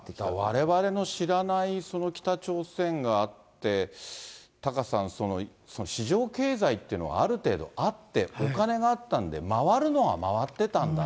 われわれの知らないその北朝鮮があって、タカさん、市場経済っていうのはある程度あって、お金があったんで回るのは回ってたんだ。